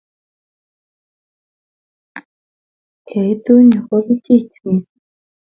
Keitu yu ko pichiy mising